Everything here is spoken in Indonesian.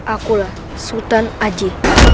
akulah sultan aji